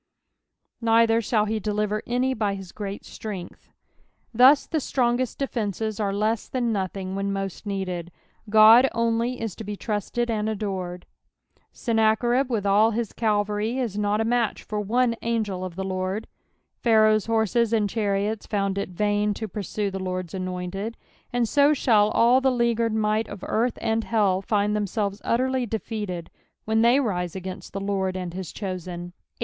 *' A'rither thall he deHrer any fty Aw great tlrengtK," Thus the strongest defences aie lessthan nothing when most needed. God only is to bo trusted and adored, ^ennacherib with all his cavalry is not a match for one angel of the Lord, Phal'aoh's horses and chariots found it vain to Sursue the Lord's anointed, and so shall all the leaguered might of earlli and hell nd themselves utterly defeated when they rise against the L«rd and his chosen^ 18.